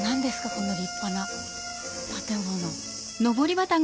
この立派な建物。